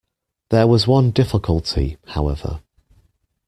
There was one difficulty, however.